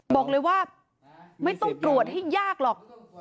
บอกเลยว่าไม่ต้องตรวจให้ยากหรอก